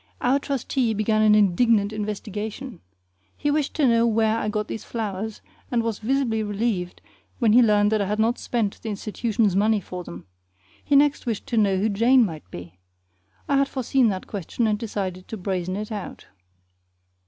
Our trustee began an indignant investigation. He wished to know where I got those flowers, and was visibly relieved when he learned that I had not spent the institution's money for them. He next wished to know who Jane might be. I had foreseen that question and decided to brazen it out.